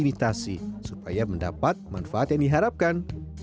dan ini tadi supaya mendapat manfaat yang diharapkan